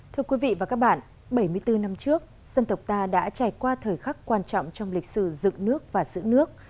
thưa quý vị và các bạn bảy mươi bốn năm trước dân tộc ta đã trải qua thời khắc quan trọng trong lịch sử dựng nước và giữ nước